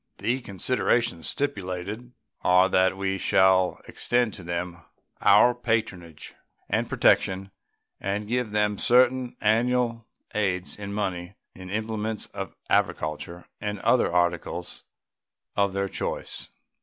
The considerations stipulated are that we shall extend to them our patronage and protection and give them certain annual aids in money, in implements of agriculture, and other articles of their choice.